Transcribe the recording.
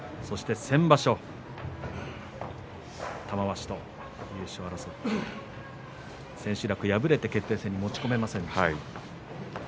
先場所、玉鷲と優勝を争った千秋楽に敗れて決定戦に持ち込めませんでした。